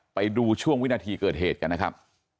ไปดูช่วงวินาทีเกิดเหตุกันนะครับ